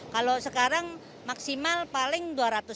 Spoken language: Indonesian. kalau sekarang maksimal paling dua ratus lima puluh